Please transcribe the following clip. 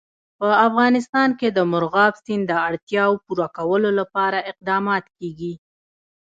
په افغانستان کې د مورغاب سیند د اړتیاوو پوره کولو لپاره اقدامات کېږي.